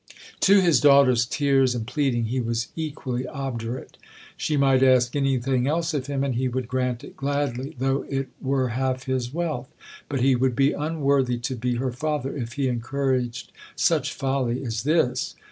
To his daughter's tears and pleading he was equally obdurate. She might ask anything else of him and he would grant it gladly, though it were half his wealth; but he would be unworthy to be her father if he encouraged such folly as this.